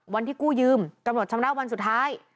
วันที่กู้ยืมกำหนดชำระวันสุดท้าย